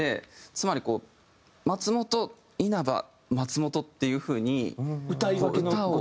つまりこう松本稲葉松本っていう風に。